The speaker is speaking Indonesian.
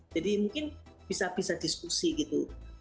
jadi mungkin bisa bisa diskusi gitu